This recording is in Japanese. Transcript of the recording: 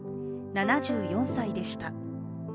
７４歳でした。